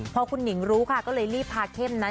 พอคุณหนิงรู้ค่ะก็เลยรีบพาเข้มนั้น